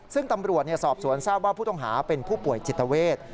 ซึ่งตำรวจสอบสวนทราบว่าผู้ต้องหาเป็นผู้ป่วยจิตเวท